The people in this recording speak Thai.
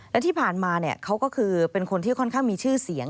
และที่ผ่านมาเขาก็คือเป็นคนที่ค่อนข้างมีชื่อเสียง